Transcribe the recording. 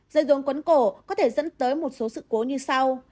dây rốn quấn cổ có thể dẫn tới một số sự cố như sau